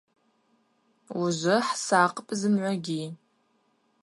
Ужвы хӏсакъпӏ зымгӏвагьи.